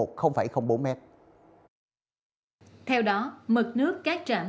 theo đó mực nước các trạm